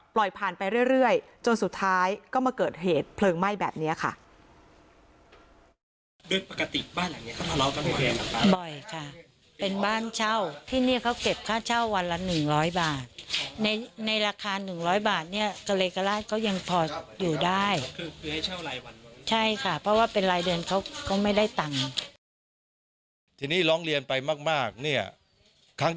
ผ่านไปเรื่อยจนสุดท้ายก็มาเกิดเหตุเพลิงไหม้แบบนี้ค่ะ